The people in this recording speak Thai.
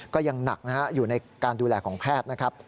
ก็ยังหนักนะฮะอยู่ในการดูแลของแพทย์นะครับ